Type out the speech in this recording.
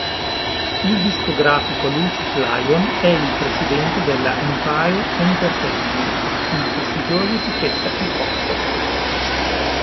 Il discografico Lucious Lyon è il presidente della Empire Entertainment, una prestigiosa etichetta hip-hop.